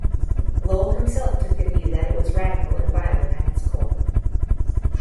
Lowell himself took the view that it was radical and violent at its core.